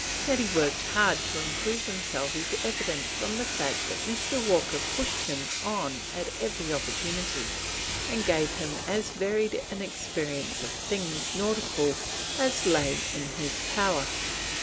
That he worked hard to improve himself is evident from the fact that Mr. Walker pushed him on at every opportunity, and gave him as varied an experience of things nautical as lay in his power.